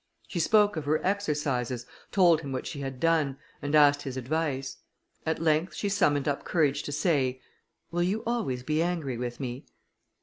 She spoke of her exercises, told him what she had done, and asked his advice. At length she summoned up courage to say, "Will you always be angry with me?"